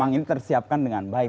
yang ini tersiapkan dengan baik